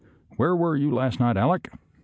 "Where were you last night, Aleck?